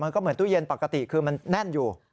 ก็เหมือนตู้เย็นปกติคือมันแน่นอยู่